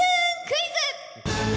クイズ！